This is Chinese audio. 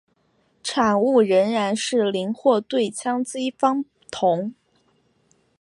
产物仍然是邻或对羟基芳酮。